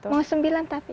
mau sembilan tapi